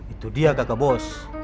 itu dia gagabos